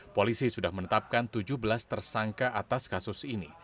polisi sudah menetapkan tujuh belas tersangka atas kasus ini